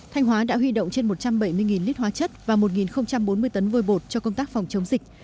thanh hóa đã huy động trên một trăm bảy mươi lít hóa chất và một bốn mươi tấn vôi bột cho công tác phòng chống dịch